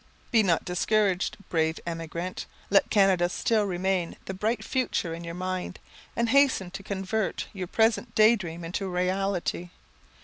Be not discouraged, brave emigrant. Let Canada still remain the bright future in your mind, and hasten to convert your present day dream into reality.